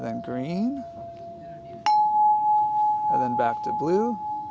dan kemudian ke boo